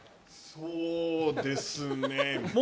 そうですね。